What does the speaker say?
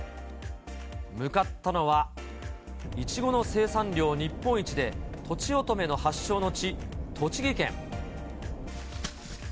向かったのは、イチゴの生産量日本一でとちおとめの発祥の地、栃木県。